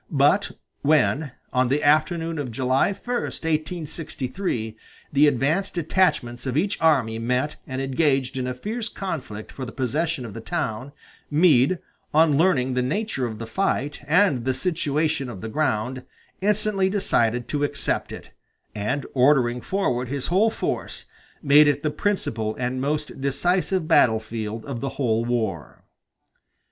But when, on the afternoon of July 1, 1863, the advance detachments of each army met and engaged in a fierce conflict for the possession of the town, Meade, on learning the nature of the fight, and the situation of the ground, instantly decided to accept it, and ordering forward his whole force, made it the principal and most decisive battle field of the whole war.